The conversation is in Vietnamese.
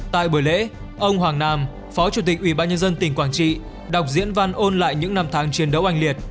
tại bữa lễ ông hoàng nam phó chủ tịch ubnd tỉnh quảng trị đọc diễn văn ôn lại những năm tháng chiến đấu anh liệt